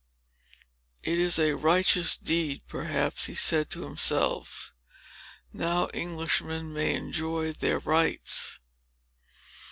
"It is a righteous deed," perhaps he said to himself. "Now Englishmen may enjoy their rights."